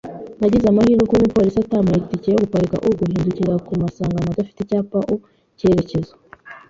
Nagize amahirwe kuba umupolisi atampaye itike yo gukora U-guhindukira ku masangano adafite icyapa U-cyerekezo.